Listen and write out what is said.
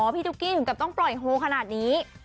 ตุ๊กกี้ถึงกับต้องปล่อยโฮขนาดนี้